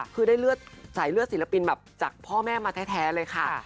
คือได้เลือดสายเลือดศิลปินแบบจากพ่อแม่มาแท้เลยค่ะ